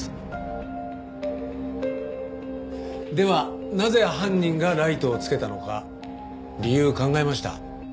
ではなぜ犯人がライトをつけたのか理由を考えました。